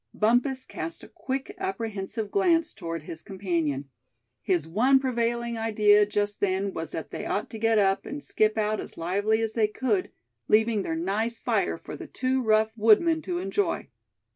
Bumpus cast a quick, apprehensive glance toward his companion. His one prevailing idea just then was that they ought to get up, and skip out as lively as they could, leaving their nice fire for the two rough woodmen to enjoy.